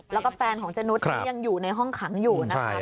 แล้วก็แฟนของเจนุสที่ยังอยู่ในห้องขังอยู่นะคะ